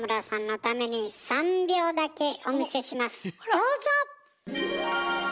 どうぞ！